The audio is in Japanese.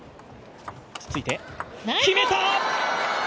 決めた！